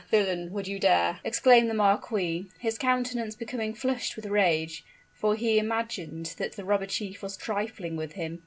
villain would you dare?" exclaimed the marquis, his countenance becoming flushed with rage: for he imagined that the robber chief was trifling with him.